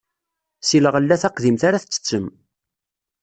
Si lɣella taqdimt ara tettettem.